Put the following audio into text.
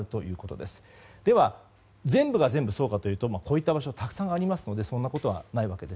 では全部が全部そうかというとこういった場所たくさんあるのでそんなことはないわけです。